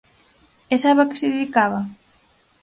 ¿E sabe a que se dedicaba?